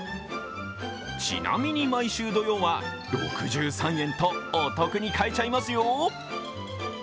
ちなみに、毎週土曜は６３円とお得に買えちゃいますよ。